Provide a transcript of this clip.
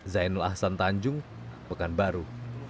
zainul ahsan tanjung pekanbaru